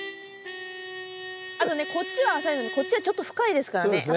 あとねこっちは浅いのにこっちはちょっと深いですからね。